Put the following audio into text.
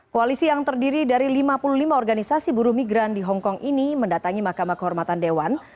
koalisi yang terdiri dari lima puluh lima organisasi buru migran di hongkong ini mendatangi mahkamah kehormatan dewan